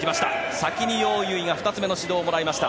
先にヨウ・ユウイが２つ目の指導をもらいました。